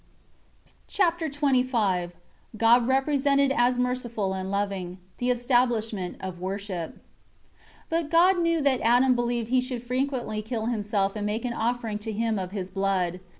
Chapter XXV God represented as merciful and loving. The establishing of worship. 1 But God knew that Adam believed he should frequently kill himself and make an offering to Him of his blood.